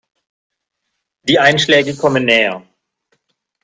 Die Einschläge kommen näher.